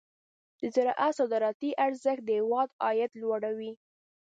د زراعت صادراتي ارزښت د هېواد عاید لوړوي.